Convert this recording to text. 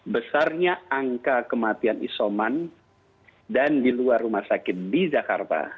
besarnya angka kematian isoman dan di luar rumah sakit di jakarta